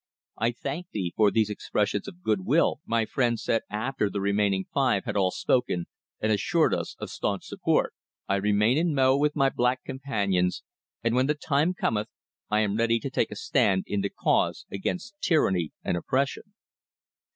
"I thank thee for these expressions of good will," my friend said after the remaining five had all spoken and assured us of staunch support. "I remain in Mo with my black companions, and when the time cometh I am ready to take a stand in the cause against tyranny and oppression."